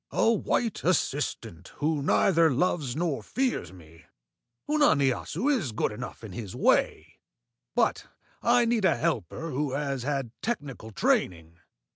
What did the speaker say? "A white assistant who neither loves nor fears me. Unani Assu is good enough in his way, but I need a helper who has had technical training."